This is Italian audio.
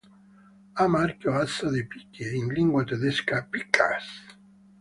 Ha marchio asso di picche, in lingua tedesca "Pik As".